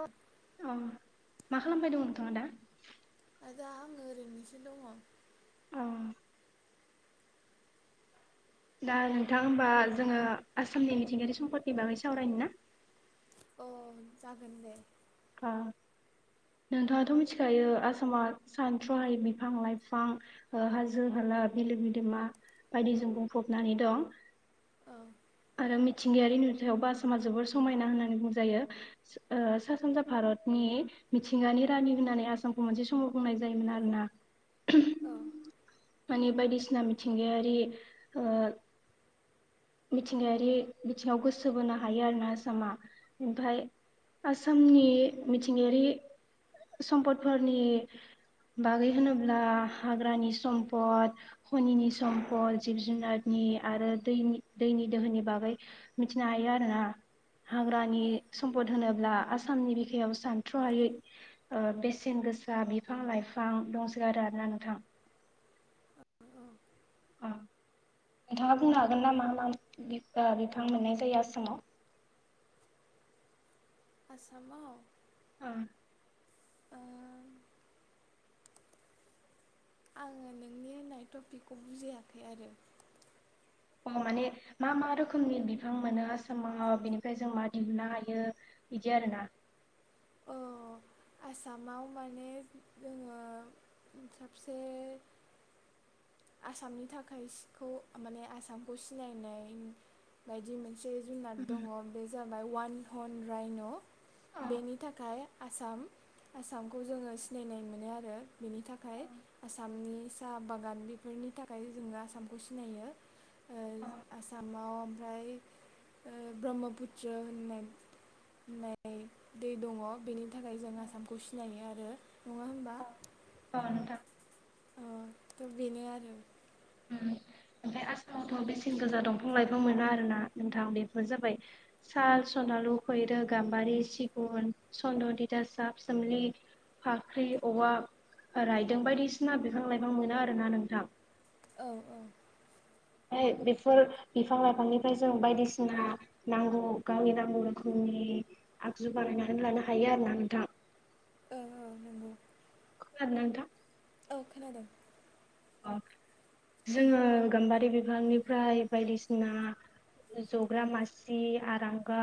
औ अ मा खालामबायदोंमोन नोंथांङा दा। दा आंङो ओरैनोसो दंङ। ओं। दा नोंथां ओमबा जोंङो आसामनि मिथिंगायारि सम्पदनि बागै सावरायनि ना। औ जागोन दे। फां। नोंथांङाथ मिथिखायो आसामा सानथ्रहायि बिफां लाइफां ओ हाजो हाल। बा मिलो बिदोमा बायदिजों बुंफबनानै दं। औ। आरो मिथिंगायारि नुथायावबो आसामा जोबोर समायना होननानै बुंजायो ओ सा सानजा भारत। फदनि मिथिंगानि रानि होननानै आसामखौ मोनसे समाव बुंनाय जायोमोन आरोना। औ। मानि बायदिसना मिथिंगायारि ओ। मिथिंगायारि बिथिंङाव गोसो बोनो हायो आरो ना आसामा ओमफाय। आसामनि मिथिंगायारि सम्पदफोरनि। बागै होनोब्ला हाग्रानि सम्पद खनिनि सम्पद जिब जुनारनि। नि आरो दैनि दैनि दोहोनि बागै मिथिनो हायो आरो ना। हाग्रानि औ सम्पद होनोब्ला आसामनि बिखायाव सानथ्रहायै ओ बेसेन गो। गोसा बिफां लाइफां दंसो गारो आरोना नोंथां। औ औ अ। नोंथांङा बुंनो हागोन ना मा मा बि ओ बिफां मोननाय जायो आसामाव। [inaudible] आसामाव ओ ओ आङो नोंनि होननाय टपिकखौ बुजियाखै आरो अ माने मा मा रोखोमनि बिफां मोनो आसामाव बिनिफ्राय जों मा दिहुननो हायो बिदि आरो ना अ आसामाव माने जोङो साबसे आसामनि थाखायखौ माने आसामखौ सिनायनाय बायदि मोन मोनसे जुनार दङ उम। बे जाबाय वान हन राइन' अ बेनि थाखाय आसाम आसामखौ जोङो सिनायनाय मोनो आरो बिनि अ थाखाय आसामनि साहा बागान बेफोरनि थाखाय जोङो आसामखौ सिनायो आसामाव ओ ओमफ्राय ओ ब्रह्मपुत्र होननाय होननाय दै दङ बेनि थाखाय जों आसामखौ सिनायो आरो नङा होमबा अ अ नोंथां अ थ' बेनो आरो ओम ओमफ्राय आसामावथ' बेसेन गोजा दंफां लाइफां मोनो आरोना नोंथां बेफोर जाबाय साल सनार लु फैरो गाम्बारि सिगुन सन्द' दिदा साफ सोमलि फाख्रि औवा रायदों बायदिसिना बिफां लाइफां मोनो आरोना नोंथां औ औ ओमफ्राय बेफोर बिफां लाइफांनिफ्राय जों बायदिसिना नांगौ गावनि नांगौ रोखोमनि नि आगजु बानायनानै लानो हायो आरो ना नोंथां औ औ नंगौ खोनादोंना नोंथां औ खोनादों अ जोङो गाम्बारि बिफांनिफ्राय बायदिसिना जग्रा मासि आरांगा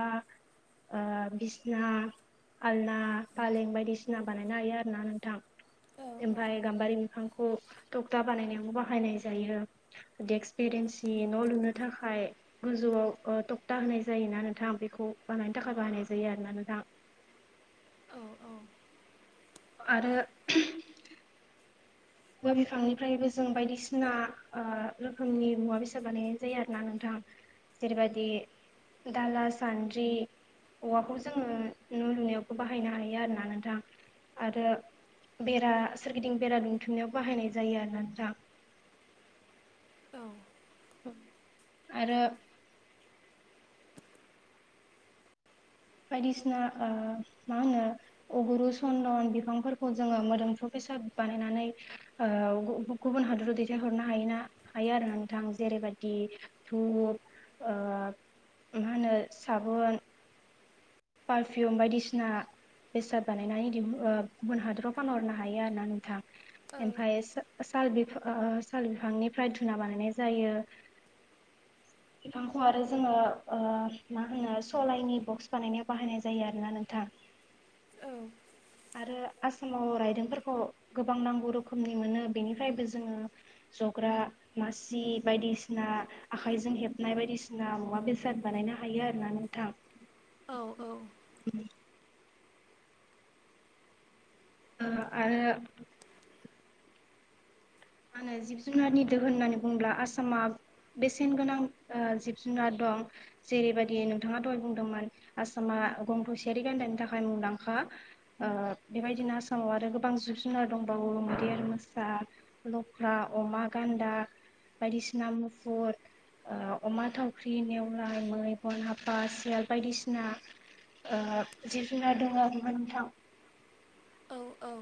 ओ बिसना आलना फालें बायदिसिना बानायनो हायो आरो ना नोंथां औ एमफ्राय गाम्बारि बिफां खौ टपटा बानायनायावबो बाहायनाय जायो देक्स बेरेन्सि न' लुनो थाखाय गोजौ आव ओ टपटा होनाय जायोना नोंथां बेखौ बानायनो थाखाय बाहायनाय जायो आरोना नोंथां औ औ आरो औवा बिफांनिफ्रायबो जों बायदिसिना ओ रोखोमनि मुवा बेसाद बानायनाय जायो आरोना नोंथाङा जेरै बादि दाला सानद्रि औवाखौ जोङो न' लुनायावबो बाहायनो हायो आरोना नोंथां आरो बेरा सोरगिदिं बेरा दुमथिंनायाव बाहायनाय जायो आरो ना नोंथां औ आरो बायदिसिना ओ मा होनो अगुरु सन्दन बिफांफोरखौ जोङो मोदोमफु बे साद बानायनानै ओ गुबुन हादराव दैथायहरनो हायोना हायो आरो ना नोंथां जेरै बे बादि धुप ओ मा होनो साबोन पारफिउम बायदिसिना बेसाद बानायनानै दिहु ओ गुबुन हादराव फानहरनो हायो आरो ना नोंथां ओमफाय साल बिफां साल बिफांनिफ्राय धुना बानायनाय जायो। बिफांखौ आरो जोङो ओ मा होनो सलायनि बक्स बानायनायाव बाहायनाय जायो आरोना नोंथां आरो आसामाव रायदोंफोरखौ गोबां नांगौ रोखोमनि मोनो बेनिफ्रायबो जोङो जग्रा मासि बायदिसिना आखाइजों हेबनाय बायदिसिना मुवा बेसाद बानायनो हायो आरो ना। नोंथां औ ओ आरो आङो जिब जुनारनि दोहोन होननानै बुंङोब्ला आसामा बेसेन गोनां ओ जिब जुनार दं जेरैबायदि नोंथाङा दहाय बुंदोंमोन आसामा गं थसेयारि गान्दानि थाखाय मुंदांखा ओ बेबायदिनो आसामाव आरो गोबां जिब जुनार दं। दंबावो मैदेर मोसा लख्रा, अमा, गान्दा बायदिसिना मुफुर ओ अमा थावख्रि नेवलाय मै बन हाफा सियाल बायदिसिना ओ जिब जुनार दं आरो नोंथां। औ औ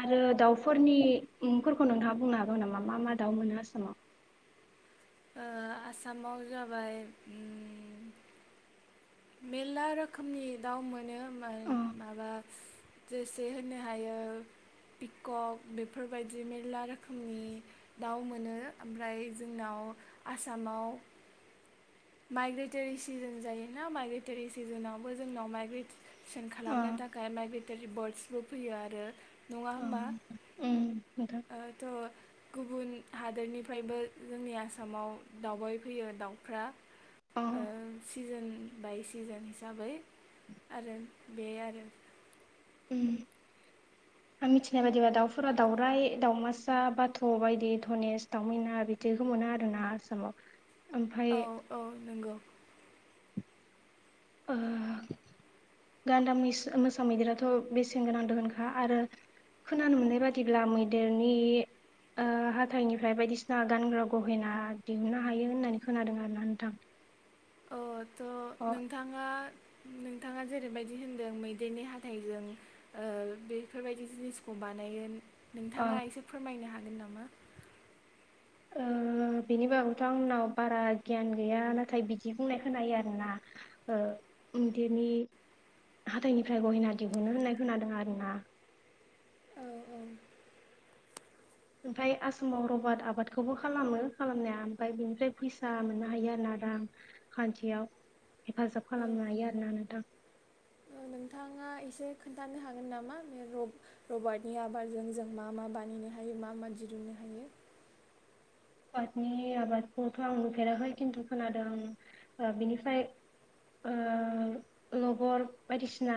आरो दाउफोरनिफोरखौ नोंथाङा बुंनो हागोन नामा मा मा दाउ मोनो आसामाव? [inaudible] ओ आसामाव जाबाय उम मेलला रोखोमनि दाउ मोनो मो-माबा जेसे होनो हायो पिकक बेफोरबायदि मेरला रोखोमनि दाउ मोनो ओमफ्राय जोंनाव आसामाव [inaudible] माइग्रेटरि सिजोन जायोना माइग्रेटरि सिजोनावबो जोंनाव माइग्रेट सन खालामनो थाखाय माइग्रेटरि बार्डसबो फैयो आरो नङा होमबा उम नोंथां त' गुबुन हादोरनिफ्रायबो जोंनि आसामाव दावबाय फैयो दाउफ्रा ओ सिजोन बाय सिजोन हिसाबै आरो बे आरो। उम आं मिथिनाय बायदिबा दाउफोरा दाउराय दावमासा बाथ' बायदि धनेस दाव मैना बिदिखौ मोनो। आरो ना आसामाव। ओमफ्राय औ औ नोंगौ ओ गान्दा मै मोसा मैदेराथ' बेसेन गोनां दोहोनखा आरो खोनानो मोननाय बादिब्ला मैदेरनि ओ हाथाइनिफ्राय बायदिसिना गानग्रा गहेना दिहुननो हायो होननानै खोनादों आरोना नोंथां। अ त' अ नोंथाङा [inaudible] नोंथांआ जेरैबायदि होनदों मैदेरनि हाथाइजों ओ बेफोरबायदि जिनिसखौ बानायो अ नोंथाङा एसे फोरमायनो हागोन नामा? ओ बिनि बागैथ' आंनाव बारा गियान गैया नाथाय बिदि बुंनाय खोनायो आरोना ओ। मैदेरनि हाथाइनिफ्राय गहेना दिहुनो होननाय खोनादों आरो ना। औ ओमफाय आसामाव रबार आबादखौबो खालामो खालामनाया ओमफाय बिनिफ्राय फैसा मोननो हायो आरोना। रांखान्थियाव हेफाजाब औ खालामनो हायो आरोना नोंथां। औ नोंथाङा एसे खोन्थानो हागोन नामा बे रबारटनि आबारजों जों मा मा बानायनो नो हायो मा मा दिरुननो हायो? रबादनि आबादखौथ' आं नुफेराखै खिन्थु खोनादों बिनिफ्राय ओ लबर बायदिसिना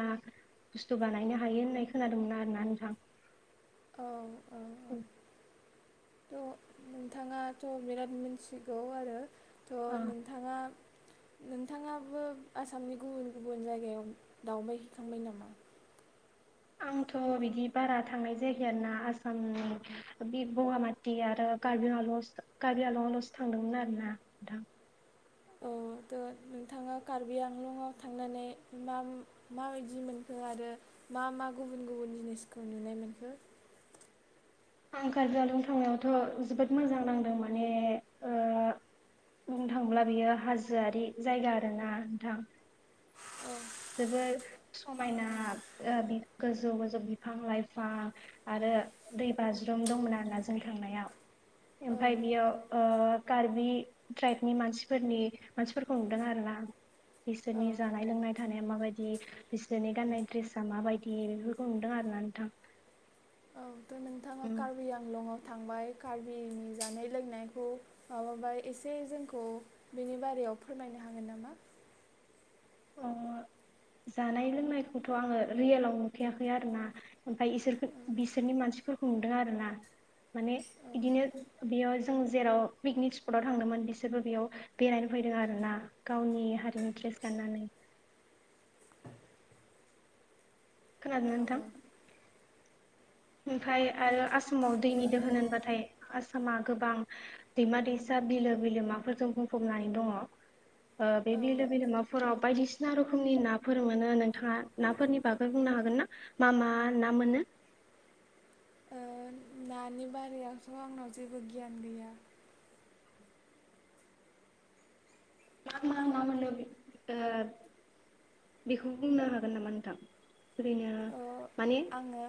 बुस्थु बानायनो हायो होननाय खोनादोंमोन आरोना नोंथां। औ औ औ त' नोंथाङाथ' बिराद मिथिगौ आरो थ' ओ नोंथाङा नोंथाङाबो आसामनि गुबुन गुबुन जायगायाव दावबायहैखांबाय नामा? आंथ' बिदि बारा थांनाय जायाखै आरो ना आसामनि बे बगामाथि आरो कार्बि आंलं कार्बि आंलङाल'सो थांदोंमोन आरो ना नोंथां। औ नोंथाङा कार्बि आंलंआव थांनानै मा माबादि मोनखो? आरो मा मा गुबुन गुबुन जिनिसखौ नुनाय मोनखो? आं कार्बि आंलं थांनायावथ' जोबोद मोजां नांदों माने ओ बुंनो थांब्ला बेयो हाजोआरि जायगा आरोना नोंथां। औ जोबोर समायना गोजौ गोजौ बिफां लाइफां आरो दै बाज्रुम दंमोन आरोना जों थांनायाव औ ओमफाय बेयाव कार्बि ट्राइबनि मानसिफोरनि मानसिफोरखौ नुदों आरो ना। औ बिसोरनि जानाय लोंनाय नाय मााबादि बिसोरनि गान्नाय ड्रेसा मााबायदि बेफोरखौ नुदों आरोना नोंथां। औ थ' नोंथाङा उम कार्बि आंलङाव थांबाय कार्बिनि जानाय लोंनायखौ माबाबाय एसे जोंखौ बेनि बारै याव फोरमायनो हागोन नामा? अ जानाय लोंनायखौथ' आङो रियेलाव नुखैयाखै आरो ना ओमफ्राय इसोरखौ बिसोरनि मा सिफोरखौ नुदों आरोना माने औ बिदिनो बेयाव जों जेराव पिकनिक स्पटाव थांदोंमोन बिसोरबो बेयाव बेरायनो फैदों आरो ना गावनि हारिनि ड्रे गानानै खोनादों औ औ नोंथां? औ ओमफ्राय आरो आसामाव दैनि दोहोन होनबाथाय आसामा गोबां दैमा दैसा बिलो बिमा बुंफनानै दङ औ बिलो बिमाफोराव बायदिसिना रोखोमनि नाफोर मोनो नोंथाङा नाफोरनि बागै बुंनो हागोन ना मा मा ना मोनो? [inaudible] नानि बारायावथ' आंनाव जेबो गियान गैया। मा मा मामोन बे ओ [unintelligible] बेखौ बुंनो हागोन नामा नोंथां? ओ [unintelligible] आङो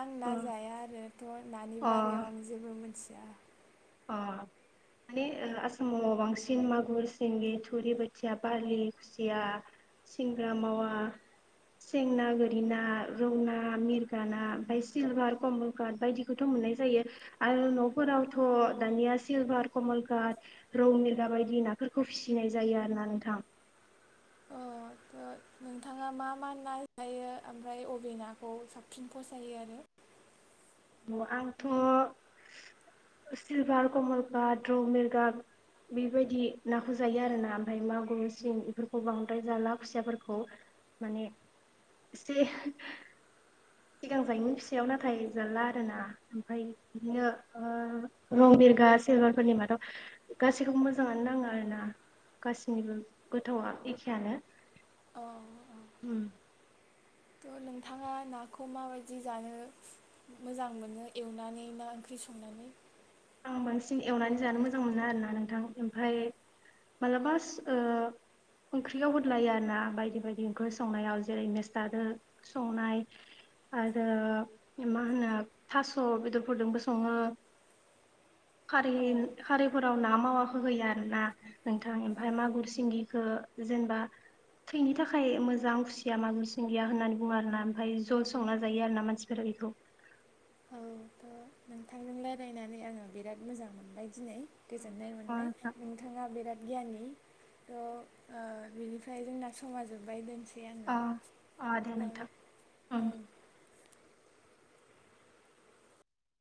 आं अ ना जाया आरोथ' नानि अ बारायाव आं जेबो मिथि अ माने आसामाव बांसिन मागुर सिंगि थुरि बोथिया बारलि खुसिया सिंग्रा मावा सेंना गोरिना रौना मिरगा ना ओमफाय सिलभार कमलकाट बायदिखौथ' मोनाय जायो आरो न'फोराव थ' दानिया सिलभार कमलकाट रौम मिरगा बायदि नाफोरखौ फिसिनाय जायो आरोना नोंथां। [inaudible] अ थ' नोंथाङा मा मा ना जायो ओमफ्राय अबे नाखौ साबसिन फसायो आरो अ आंथ' सिलभार कमल गाड रौ मिरगा बेबायदि नाखौ जायो आर ना ओमफ्राय मागुर सिं बेफोरखौ बांद्राय जाला खुसियाफोरखौ माने एसे सिगां जायनि फिसायाव नाथाय जाला आरोना ओमफ्राय बिदिनो ओ रौ मिरगा सिंगारफोरनि मादाव गासैखौबो मोजाङानो नाङो आरो ना गासैनिबो गोथावआ एखेआनो औ औ उम। थ' नोंथाङा नाखौ माबादि जानो मोजां मोनो एवनानै ना ओंख्रि सं नानै? आं बांसिन एवनानै जानो मोजां मोनो आरोना नोंथां। ओमफ्राय मालाबासो ओ ओंख्रियाव होदलायो आरो ना बायदि बायदि ओंख्रि संनायाव जेरै मेसथाजों संनाय आरो मा होनो थास' बेदरफोरजोंबो सङो। खारि औ खारिफोराव ना मावाखो होयो आरो ना नोंथां। ओमफाय औ मागुर सिंगिखौ जेनबा थैनि थाखाय मोजां खुसिया मागुर सिंगिया होननानै बुङो आरो ना ओमफ्राय जल संना जायो आरो ना मानसिफोरा बेखौ। [inaudible] औ थ' नोंथांजों रायलायनानै आङो बिराद मोजां मोनबाय दिनै। गोजोननाय अ मोनबाय नोंथां नोंथाङा बिराद गियाननि त' ओ बिनिफ्राय जोंना समा जोब्बाय दोननोसै अ' अ' दे नोंथां उम। औ